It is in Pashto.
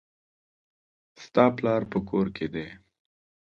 ستا پلار په کور کښي دئ.